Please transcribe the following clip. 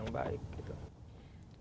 untuk kita membuat hal yang baik